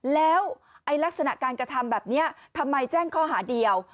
แล้วลักษณะการกระทำแบบนี้ทำไมแจ้งข้อหาเดียว